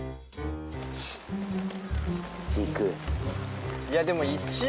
１いく？